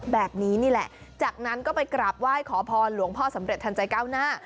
แบบนี้นี่แหละจากนั้นก็ไปกราบไหว้ขอพรหลวงพ่อสำเร็จทันใจก้าวหน้า